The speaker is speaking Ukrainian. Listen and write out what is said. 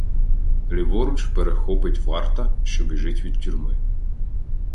Ліворуч — перехопить варта, що біжить від тюрми.